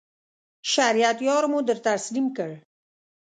شریعت یار مو در تسلیم کړ.